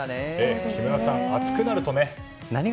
木村さん、暑くなるとね。